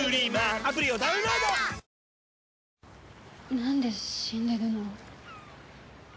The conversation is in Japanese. なんで死んでるの？